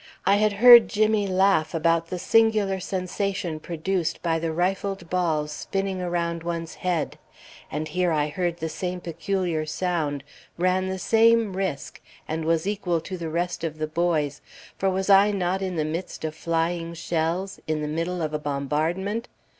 I had heard Jimmy laugh about the singular sensation produced by the rifled balls spinning around one's head; and here I heard the same peculiar sound, ran the same risk, and was equal to the rest of the boys, for was I not in the midst of flying shells, in the middle of a bombardment?